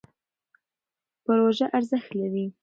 پروژه ارزښت لري.